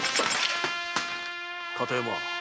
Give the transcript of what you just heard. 片山。